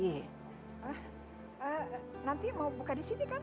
ah nanti mau buka di sini kan